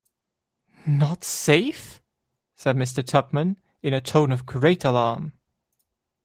'Not safe?’ said Mr. Tupman, in a tone of great alarm.